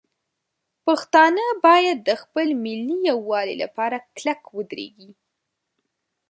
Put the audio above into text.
پښتانه باید د خپل ملي یووالي لپاره کلک ودرېږي.